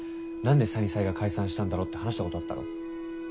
「何でサニサイが解散したんだろう」って話したことあったろ？